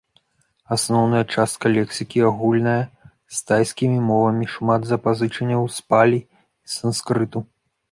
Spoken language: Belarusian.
Асноўная частка лексікі агульная з тайскімі мовамі, шмат запазычанняў з палі і санскрыту.